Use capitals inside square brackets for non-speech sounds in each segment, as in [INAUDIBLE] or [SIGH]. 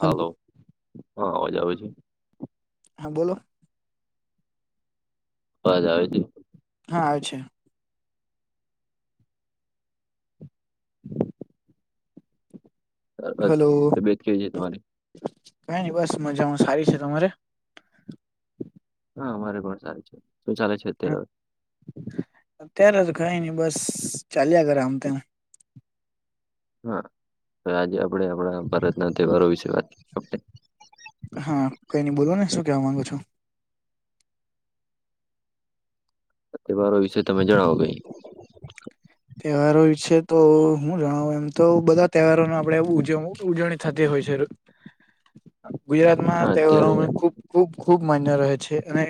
Hello હાલો હ અવાજ આવે છે. હા બોલો બવે હા આવે છે અ અ- હલો તબિયત કેવી છે તમારી કઈ નની બસ મજામાં સારી છે તમારે હા મારે પણ સારું છે શું ચાલે છે અત્યારે અત્યારે જ ખાય નહ બસ ચાલ્યા ઘરે આમ તેને હા તો આજે આપડે આપણા ભારત ના તહેવારો વિશે વાત કરી આપણે હા કઈ બોલો ને શું કેવા માંગુ છો. સવારો વિશે તમે જણાવો કઈ તહેવારો વિ છે તો હું જણાવું એમ તો બધા તહેવારોને આપડે એવું ઉજવુ. ઉજવણી થતી હોય છે. ગુજરાતમાં હા તહેવારો અત્યારે ખુબ ખૂબ ખૂબ માન્ય રહે છે અને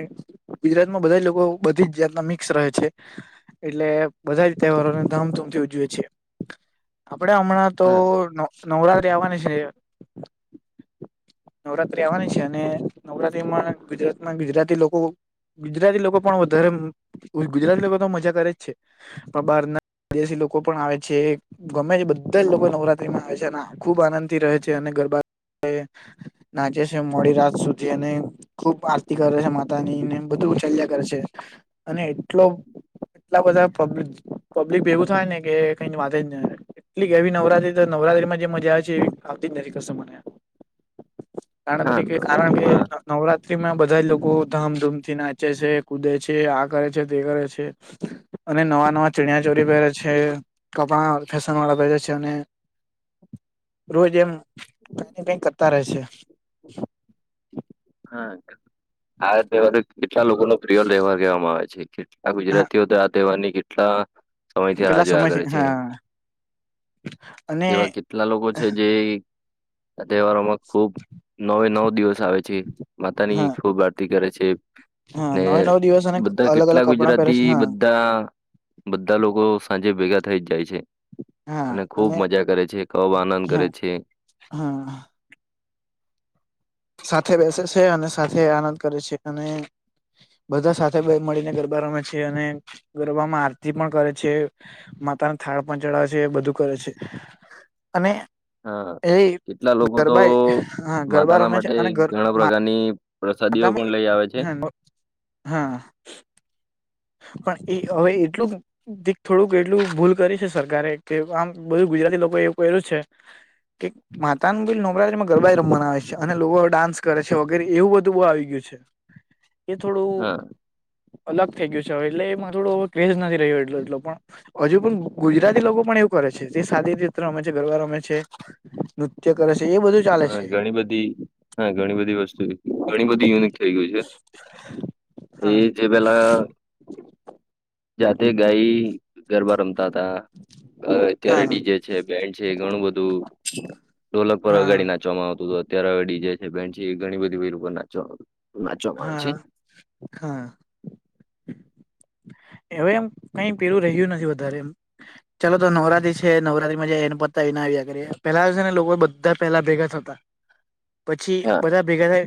ગુજરાતમાં બધા લોકો બધી જ જાતના મિક્સ રહે છે. એટલે બધા જ તહેવારોને ધામધૂમથી ઉજવીએ છે, આપડે હમણાં તો હા નવરાત્રી આવવાની છે. નવરાત્ર્રી આવવાની છે અને નવરાત્રી માં ગુજરાતમાં ગુજરાતી લોકો. ગુજરાતી લોકો પણ વધારે ગુજરાતી લોકો તો મજા કરે જ છે. બાર ના વિદેશી લોકો પણ આવે છે. ગમે બધા જ લોકો નવરાત્રી માં આવે છે અને ખુબ આનંદ થી રહે છે અને ગરબા નાચે છે મોડી રાત સુધી અને ખુબ આરતી કરે છે બધું ચલ્યા કરશે અને એટલો એટલા બધા પ્રબ્મ પબ્લિક ભેગું થાય ને કે કઈ વાત જ ને એટલે કે એવી નવરાત્રી તો નવરાત્રીમાં જે મજા આવે છે એવી આવતી જ નથી કરશે મને [INAUDIBLE] કારણ તરીકે કારણ કે નવરાત્રીમાં નવરાત્રીમાં બધા લોકો ધામધૂમથી નાચે છે કુદે છે આ કરે છે તે કરે છે અને નવા નવા ચિણીિયા ચોરી બર છે કપા ફેશન વાળા ભેજે છે અને રોજ એમ કની કઈક કરતા રહે છે હા આ તહેવાર કેટલા લોકો ન પ્રિય તહેવાર કહેવામાં આવે છે કેટલા હા ગુજરાતીઓ તો વાની કેટલા સમય થી રાહ કેટલા જો આ કરે સમયથી છે હા અને એવા કેટલા લોકો છે જે આ તહેવારોમાં ખુબ નવે નવ દિવસ આવે છે માતા હા ની ખુબ આરતી કરે છે હા ને નવે નવ દિવસ અને બધા અલગ અલગ કેટલા કપડાં પહેરે છે ગુજરાતી હા બધા બધા લોકો સાંજે ભેગા થઇ જ જાય છે અને હા ખૂબ અને મજા કરે છે ખબ આનંદ હા કરે છે હા સાથે બેસે છે અને સાથે આનંદ કરે છે અને બધા સાથે બે મળીને ગરબા રમે છે અને ગરબામાં આરતી પણ કરે છે માતાને થાળ પણ ચડાવે છે એ બધું કરે છે અને હા એ કેટલા લોકો તો ગરબા હા ગરબા માતાના રમે છે માટે ઘણા પ્રકારની પ્રસાદીઓ આ પણ લઈ આવે છે હા હા પણ એ હવે એટલું ક થોડુંક એટલું ભૂલ કરી છે સરકારે કે આમ બધું ગુજરાતી લોકો એવું એલું છે કે માતા ન બીલ નવરાત્રીમાં ગરબા રમવાના આવે છે અને લોકો ડાન્સ કરે છે વગેરે એવું બધું બહુ આવી ગયું છે એ હા થોડું અલગ થઈ ગયું છે હવે એટલે એમાં થોડો હ ક્રેઝ નથી રહ્યો એટલો એટલો પણ હજુ પણ ગુજરાતી લોકો પણ એવું કરે છે જે શદી ર રમે છે ગરબ રમે છે. નૃત્ય કરે છે એ બધું ચાલે હા છે ઘણી બધી હા ઘણી બધી વસ્તુ, ઘણી બધી યુનિક થઈ ગયું છે એ હા તે પેલા જાતે ગાય ગરબા રમતા હતા હ અત્યારે હા ડીજે છે બેન્ડ છે ઘણું બધું ઢોલક પર હા અગાડી નાચવામાં આવત હત અત્યારે જે છેન્ટ છે એ ઘણી બધી નાચવામાં આવત હા હા હવે એમ કઈ પેલું રહ્યું નથી વધારે એમ ચાલો તો નવરાત્રી છે નવરાત્રી માં જે એને પતા વિના આવ્યા કરીએ પેલાિવસે ને લોકો બધા પેલા ભેગા થ હતા પછી હા બધા ભેગા થાય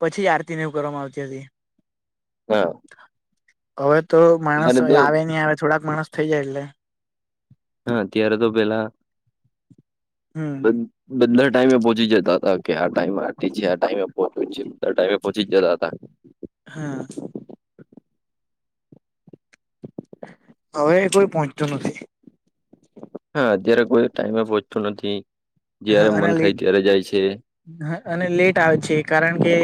પછી આરતીને એવું કરવામાં આવતી હતી હા હવે તો માણસ ત્યારે તો આવે નઈ આવે થોડાક માણસ થઇ જાય એટલે હા અત્યારે તો પેલા હમ બધા ટાઈમે પહોંચી જતા હતા કે આ ટાઈમ આ છે આ ટાઈમે પહચ બધા ટાઈમે પહોચ જતા હતા હા. હવે કોઈ પહોંચતું નથી. હા અત્યારે કોઈ ટાઈમે પહોંતું નથી. જયારે હા અને મન થાય લેટ ત્યારે જાય છે હ અને લેટ આવે છે કારણ કે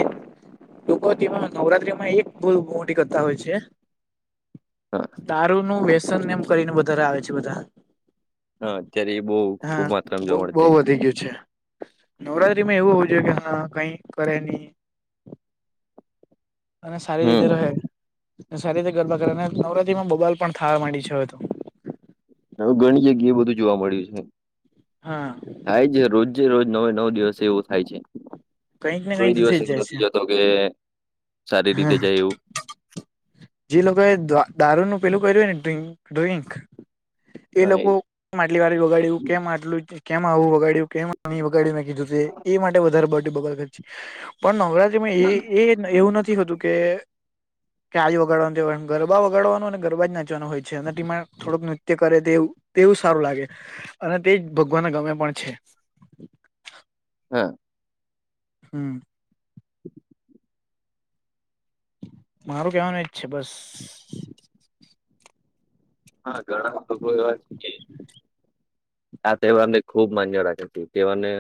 ટૂક તેમાં નવરાત્રી માં એક બ મો મોટી કરતા હોય છે. હા તારૂ નું વ્યસન એમ કરીને વધારે આવે છે બધા. હ. હા બ બહુ વધી ગયું છે. નવરાત્રીમાં એવું હોવું જોઈએ કે હા કઈ કરે નહી. અને સારી રીતે હમ રહે સારી રીતે ગરબા કરે અને નવરાત્રી માં બબાલ પણ થવા માંડી છે. હોવે તો હવે ઘણી જગ્યા એ બધું જોવા મળ્યું છે. હા થાય છે રોજે રોજ નવે નવ દિવસે એવું થાય છે કઈક ને કોઈ કઈક તો દિવસ થઈ જ એવું જાય નથી જતો. છે તો કે સારી રીતે હા જાય ઉ. જે લોકોએ દારૂનું પેલું કર્યું હો ને ડ ડ્રિંક. એ લોકોમ આટલી વાર જોગાડું કેમ આટલું કેમાં આવું વગાડ્યું કે નહી વગાડી મે કીધું એ માટે વધારે બગ ખર્ચી પણ નરા. એવું નથી હોતું કે. વગાડવા ગરબા વગાડવાનું અને ગરબા જ નાચવાનું હોય છે એ ટમાં થોડક નૃત્ય કરે તેવું તેવું સારું લાગે અને તે જ ભગવાનને ગમે પણ છે. હા હમ [INAUDIBLE] મારું કેવાનું એ જ છે બસ હા ઘણા ભગો એવા શી. આ તહેવાર ને ખુબ મજડાતી તેહેવારને.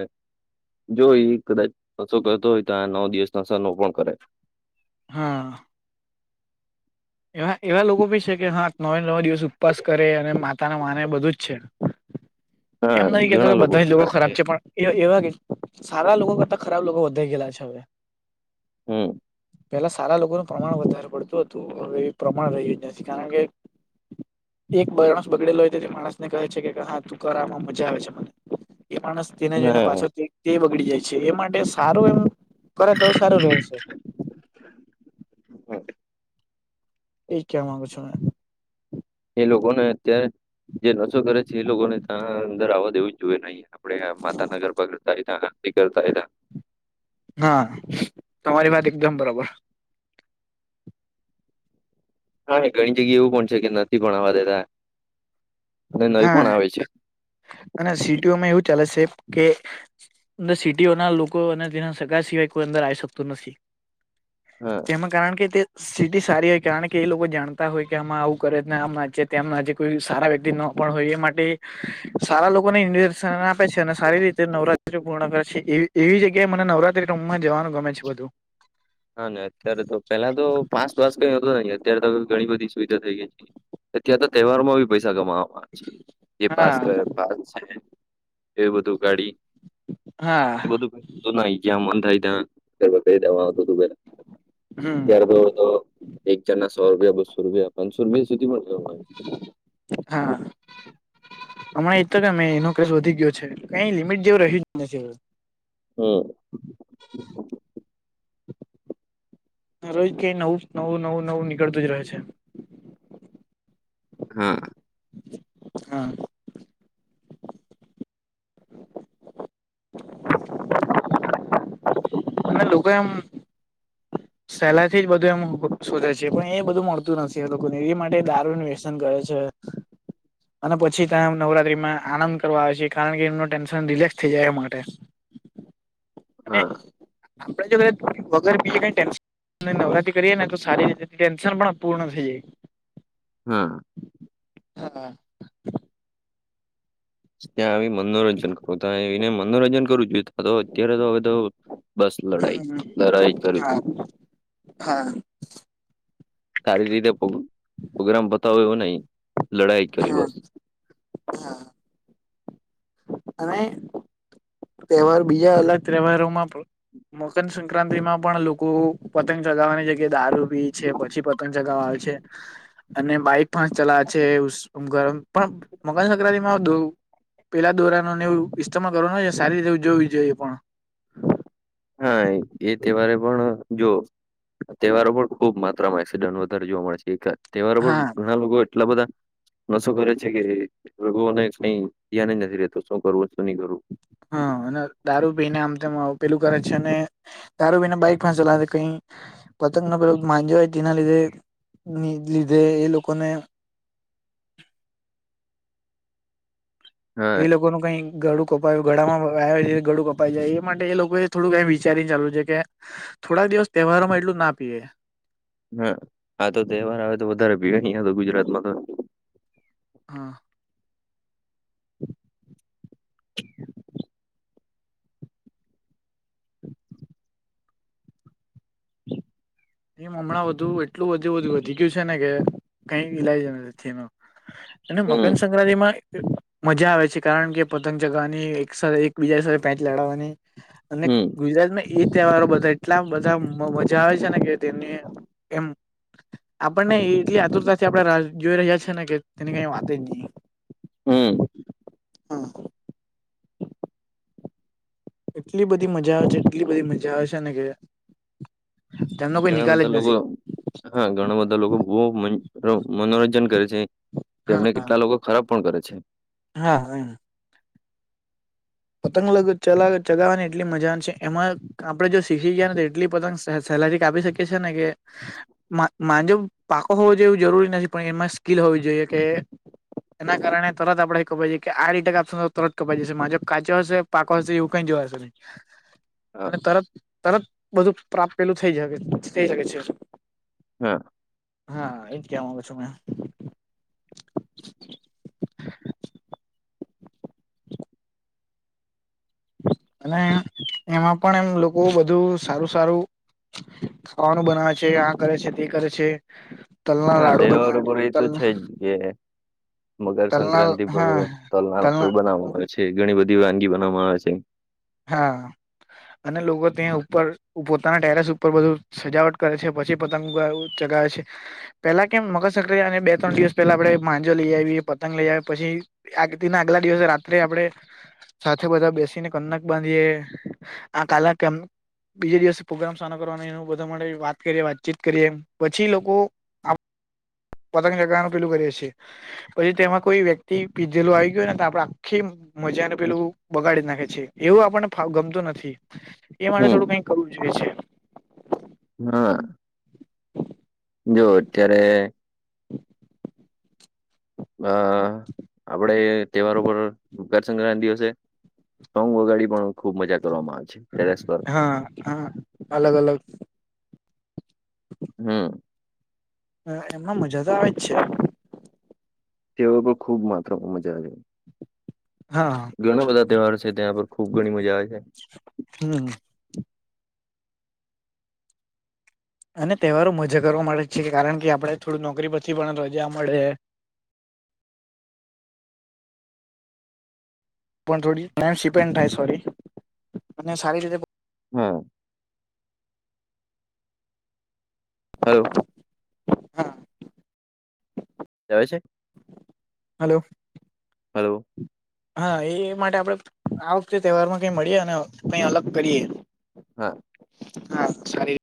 જો એ કદાચ નશો કરતો હોય તો આ નવ દિવસ નશ ન પણ કરે. હા એવા એવા લોકો ભી છે કે હા નવે નવા દિવસ ઉપવાસ કરે અને માતા ના માને બધું જ છે. હા એમ નથી કેતો ઘણા કે બધા જ છે લોકો કે ખરાબ છે પણ. એ એવા કે સારા લોકો કરતા ખરાબ લોકો વધાઈ ગયલા છે હવે. હમ પેલા સારા લોકોનું પ્રમાણ વધારે પડતું હતું હવે એ પ્રમાણ રહ્યું જ નથી કારણ કે એક બાણસ બગડેલો હોય તો તે માણસને કહે છે કે હા તું કરવામાં મજા આવે છે મને એ માણસ તેને જઈને હા પાછો તે બગડી જાય છે એ માટે સારું એમ કરે તો સારું રહેશે. એ કેમગ છું ને. એ લોકોને અત્યારે જે નશો કરે છે એ લોકોને ત્યાં અંદર આવવા દેવું. જોુવે નહી આપડે માતા નગર પગડતા હ કરતાયા. હા તમારી વાત એકદમ બરોબર. હા ઘણી જગ્યા એવું પણ છે કે નથી પણ આવવા દેતા. અને નહી પણ હા આવે છે અને સિટીઓમાં એવું ચાલે છે કે અ સિટીઓના લોકો અને તેના સગ સિવાય કોઈ અંદર આવી શકતું નથી હા તેમાં કારણ કે તે સ્થિતિ સારી હોય કારણ કે એ લોકો જાણતા હોય કે આમાં આવું કરે ને આમ નાચે તેમ નાચે કોઈ સારા વક્ ન પણ હોય એ માટે સારા લોકોને ઇન્ર્શન આપે છે અને સારી રીતે નવરાત્રી પૂર્ણ કરે છે એવી એવી જગ્યાએ મને નવરાત્રી રમમાં જવાનું ગમે છે. બધું હા, ને અત્યારે તો પેલા તો પાસ પાસ કઈ હતો નઈ અત્યારે તો ઘણી બધી સુવિધા થઈ ગઈ છે. અત્યાંરે તો તહેવારમાં બી પૈસા કમાવામાં છે જે પાસ હા કર છે, એ બધું ગાડી હા એ બધું ના, મન થાય ત નાહી ગયા કહી દેવા હત તું પેલા હમ ત્યાર તો એક જણના સો રૂપિયા, બસો રૂપિયા, પાંસો રૂપિયા સુધી મળે અમારે હા. હમણા એજ તો કેમે એનો કેસ વધી ગયો છે, કઈ લિમિટ જેવું રહ્યું જ નથી. હમ્મ. જ કઈ નવું-નવું નીકળતું જ રહે છે. હા. હા. અને લોકો એમ સહેલા થી જ બધું એમ શોધે છે પણ એ બધું મળતું નથી. એ લોકોને એ માટે દારૂ વ્યસ્ પસંદ કરે છે. અને પછી ત નવરાત્રીમાં આનંદ કરવા આવે છે, કારણ કે એમનું ટેન્શન રિલેક્સ થઈ જાય એ માટે. અને હા આપણેે જે બધા વગર પીએ ક નવરાત્રી કરીએ ને તો સારી રીતે ટેન્શન પણ પૂર્ણ થઈ જાય. હા. હા. ત્યાં આવી મનોરંજન કરવું, ત આવીને મનોરંજન કરવું જોઈ તો અત્યારે તો હવે તો બસ હા લડાઈ, હમ લડાઈ કર હા હા. સારી રીતે પ્રોગ્રામ બતાવે એવું નહી, લડાઈ કરે હા બસ. હા અને તહેવાર બીજા અલગ તહેવારોમાં મોસન સંક્રાંતિ માં પણ લોકો પતંગ ચગાવવાની જગ્યાએ દારૂ છે પછી પતંગ જગાવા આવે છે, અને બાઈક પણ ચલાવે છે અમુક પણ મકાન સંક્રાંતિમાં પેલા દોરાણને એવું ઇસ્મ કરો ન સારી રીતે ઉજવવું જોઈએ પણ. હા, એ તહેવારે પણ જો તહેવારો પર ખુબ માત્રામાં એક્સિડન્ટ વધારે જોવા મળે છે. એક તહેવારો પણ હા ઘણા લોકો એટલા બધા શું કરે છે કે રઘુઓને કઈ ધ્યાન નથી રહેેતો શું કરવું, શું નહી કરવું. હા, અને દારૂ પીને આમ પેલું કરે છે અને દારું બીને બાઈક પણ ચલાશે કઈ પતંગનો પ્રયોગ માંજ્યો હોય તેના લીધે એ લોકોને હા એ લોકોનું કઈ ગડું કપાયું ગળામાં એરીતે ગડું કપાઈ જાય એ માટે એ લોકો એ થોડુંક વિચારીને ચાલુ છે, કે થોડાક દિવસ તહેવારો માં એટલું ના પીએ. હા આ તો તહેવાર આવે તો વધારે ભીગ અહંયા તો ગુજરાતમાં તો હા એ હમણાં બધું એટલું બો વધી ગયું છે ને કે કઈ લાયક જ અને હમ મકર સંક્રાંતિમાં મજા આવે છે, કારણ કે પતંગ ચગાવવાની એક સાથે એકબીજા સાથે બેટ લડાગાવાની અને હમ ગુજરાતમાં એ તહેવારો બધા એટલા બધા મજા આવે છે, ને કે તેમને એમ આપણને એટલી આતુરતાથી આપણે જોઈ રહ્યા છે. ને કે તેની કઈ વાત જ નહીં. હમ્મ હા. એટલી બધી મજા આવે છે, એટલી બધી મજા આવે છે ને કે તેમનો કોઈ ઘણા નિકાલ જ બધા લોકો, નથી હા ઘણા બધા લોકો બો મનોરંજન કરે છે. જેમને કેટલા લોકો ખરાબ પણ કરે છે. હા, હા. પતંગ લગ્ન ચ ચગાવવાની એટલી મજા છે એમાં આપડે જો શીખી ગયા ને તો એટલી પોતંગ સેલરી કાપી શકીએી ને કે માંજવ પાકો હોવો જોઈવું જરૂરી નથી પણ એમાં સ્કીિલ હોવી જોઈએ કે એના કારણે તરત આપડે કવાઈ જઈએ કે આ રીટક આપશ તરત કપાઈઈ જશે મામાં કાચો હશે પાકો હશે એવું કઈ જોવા હશે નહી હા અને તરત તરત બધું પ્રાપ્ પેલું થઈ થઈ શકે છે. હા હા એજ કે માંગુ છો મેં. અને એમાં પણ એમ લોકો બધું સારું સારું ખવાનું બનાવે છે આ કરે છે તે કરે છે. તલના હા લાડુ દેવાર બનાવે ઉપર એ તો તલ છે જ એ. તલના તલના મકરસક્રાંતિ પર હા તલના બનાવામાં તલના આવે છે ઘણી બધી વાનગી બનાવવામાં આવે છે. હા અને લોકો ત્યાં ઉપર પોતાના ટેરેસ ઉપર બધું સજાવટ કરે છે. પછી પતંગ ચગાવે છે. પેલા કેમ, મકરસંક્રાંતિ અને બે-ત્રણ દિવસ પહેલા આપડણે માંજો લઈ આવીએ, પતંગ લઈ આવીએ, પછી આગતિના આગલા દિવસે રાત્રે આપણે સાથે બધા બેસીને કલાક. બંધીએ આ કાલ, કેમ? બીજે દિવસે પ્રગ્રામ સાર કરવાનો એ બધા માટે વાત કરીએ વાતચીત કરીએ પછી લોકો [INAUDIBLE] પતંગ ચગાનું પેલું કરીએ છીએ. પછી તેમાં કોઈ વ્યક્તિ પીજેલું આવી ગયું ને આપડે આખી. મજા ને પેલું બગાડી જ નાખે છે. એવું આપને ગમતું નથી એ માટે હમ થોડું કઈક કરવું જોઈએ છે. હા. જો અત્યારે હા, આપડે તહેવારો ઉપર. સંક્રાંતિ ના દિવસે સોંગ વગાડી પણ ખુબ મજા કરવામાં આવે છે. ત્યારે સવારે. હા હા અલગ અલગ હમ. એમાં મજા તો આવે છે. તેઓ પણ ખુબ માત્રામાં મજા આવે. હા ઘણા બધા તહેવાર છે. ત્યાં પર ખુબ ઘણી મજા આવે છે. હમ. અને તહેવારો મજા કરવા માટેે છે, કારણ કે આપડે થોડું નોકરી પછી પણ રજા મળે. પણ થોડી સિપેન્ડ થાય, સોરી, અને સારી રીતે. હા. હલો. હા. જ છે. હલો. હલો. હા, એ માટે આપણેે આ વખતે તહેવારમાં કંઈ મળીએ અને કંઈ અલગ કરીએ. હા. હા, સારી રીતે.